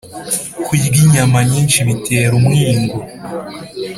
kurya inyama nyinshi bitera umwingo